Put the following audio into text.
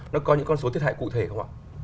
nó có những con số thiết hại cụ thể không ạ